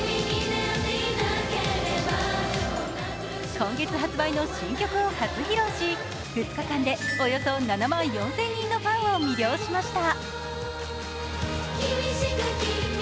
今月発売の新曲を初披露し、２日間でおよそ７万４０００人のファンを魅了しました。